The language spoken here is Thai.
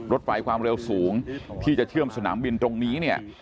รถไฟความรักที่จะเชื่อมสนามบินตรงนี้